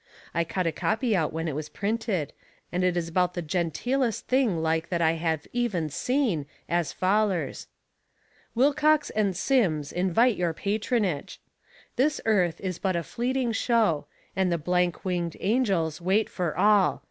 I cut a copy out when it was printed, and it is about the genteelest thing like that I even seen, as follers: WILCOX AND SIMMS Invite Your Patronage This earth is but a fleeting show, and the blank winged angels wait for all.